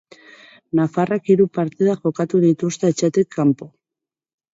Nafarrek hiru partida jokatu dituzte etxetik kanpo.